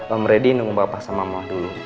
om reddy nunggu bapak sama mama dulu